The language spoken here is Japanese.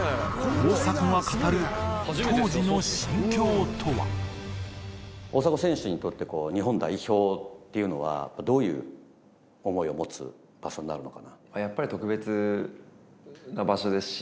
大迫が語る大迫選手にとって日本代表っていうのはどういう思いを持つ場所になるのかな？